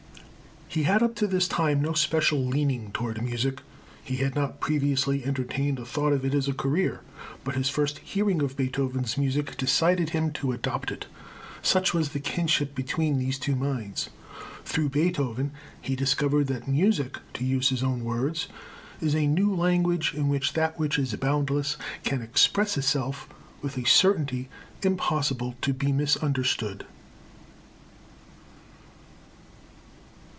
He had up to this time no special leaning toward music. He had not previously entertained a thought of it as a career, but his first hearing of Beethoven's music decided him to adopt it, such was the kinship between these two minds. Through Beethoven he discovered that "music," to use his own words, "is a new language in which that which is boundless can express itself with a certainty impossible to be misunderstood."